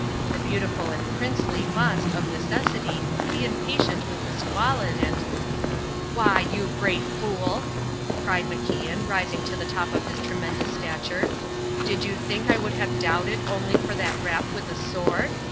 The beautiful and princely must, of necessity, be impatient with the squalid and " "Why, you great fool!" cried MacIan, rising to the top of his tremendous stature, "did you think I would have doubted only for that rap with a sword?